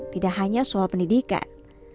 tidak hanya soal pendidikan